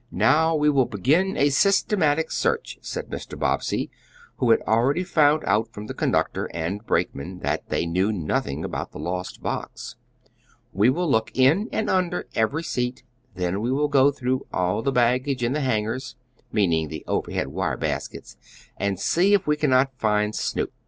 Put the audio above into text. "Now, we will begin a systematic search," said Mr. Bobbsey, who had already found out from the conductor and brakeman that they knew nothing about the lost box. "We will look in and under every seat. Then we will go through all the baggage in the hangers" (meaning the overhead wire baskets), "and see if we cannot find Snoop."